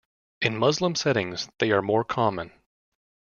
In Muslim settings they are more common.